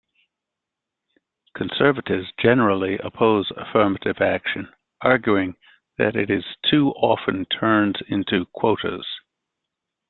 Conservatives generally oppose affirmative action, arguing that it too often turns into quotas.